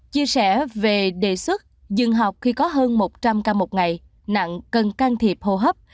chia sẻ về đề xuất dừng học khi có hơn một trăm linh ca một ngày nặng cần can thiệp hô hấp